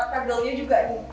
paddle nya juga nih